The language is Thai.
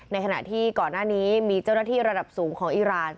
ในขณะที่ก่อนหน้านี้มีเจ้าหน้าที่ระดับสูงของอิราณ